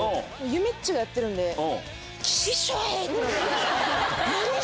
がやってるんで。